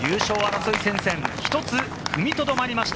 優勝争い戦線、１つ踏みとどまりました。